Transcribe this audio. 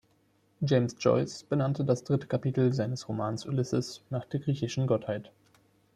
James Joyce benannte das dritte Kapitel seines Romans „Ulysses“ nach der griechischen Gottheit.